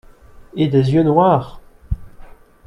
Et des yeux noirs !